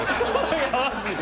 マジで！